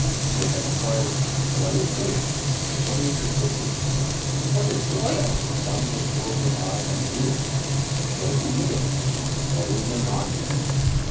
They have inquired : What is being ? What is existence ? What is this vast, boundless world of eye and ear ? What is the ego ? What is the non ego